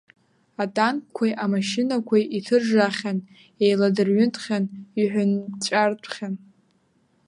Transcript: Атанкқәеи амашьынақәеи иҭыржаахьан, еиладырҩынтхьан, иҳәынҵәартәхьан.